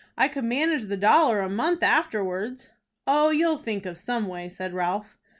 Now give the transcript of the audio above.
"I could manage the dollar a month afterwards." "Oh, you'll think of some way," said Ralph.